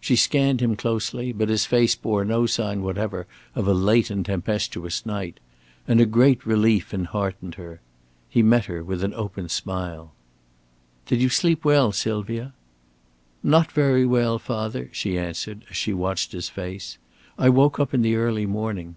She scanned him closely, but his face bore no sign whatever of a late and tempestuous night; and a great relief enheartened her. He met her with an open smile. "Did you sleep well, Sylvia?" "Not very well, father," she answered, as she watched his face. "I woke up in the early morning."